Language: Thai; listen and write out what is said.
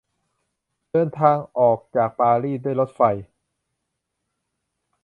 เดินทางออกจากปารีสด้วยรถไฟ